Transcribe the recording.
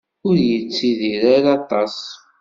Ur yettidir ara aṭas.